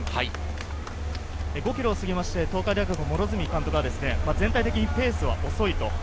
５ｋｍを過ぎまして東海大学・両角監督は全体的にペースは遅い。